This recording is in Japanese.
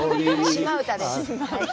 島唄です！